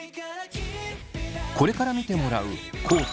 これから見てもらう地